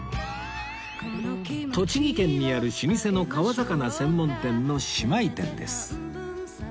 栃木県にある老舗の川魚専門店の姉妹店です